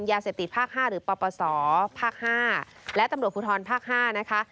ยาเสพติดภาค๕หรือปปศภาค๕และตำรวจภูทรภาค๕นะคะ